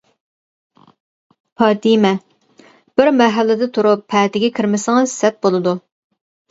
پاتىمە: بىر مەھەللىدە تۇرۇپ پەتىگە كىرمىسىڭىز سەت بولىدۇ.